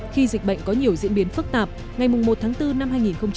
khi dịch bệnh có nhiều diễn biến phức tạp ngày một tháng bốn năm hai nghìn hai mươi